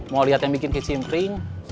mau lihat yang bikin kecintaan